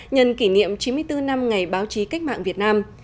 nhân kỷ niệm chín mươi bốn năm ngày báo chí cách mạng việt nam